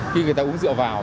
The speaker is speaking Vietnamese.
khi người ta uống rượu vào